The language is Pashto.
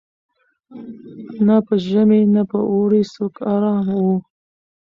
نه په ژمي نه په اوړي څوک آرام وو